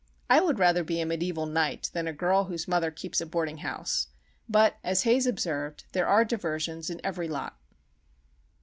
I would rather be a mediæval knight than a girl whose mother keeps a boarding house,—but, as Haze observed, there are diversions in every lot.